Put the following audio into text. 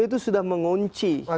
itu sudah mengunci